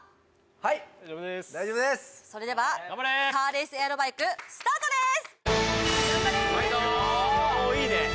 はい大丈夫です大丈夫ですそれではカーレース×エアロバイクスタートです！